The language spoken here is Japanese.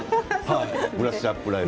「ブラッシュアップライフ」。